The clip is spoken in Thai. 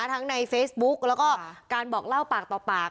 ในเฟซบุ๊กแล้วก็การบอกเล่าปากต่อปาก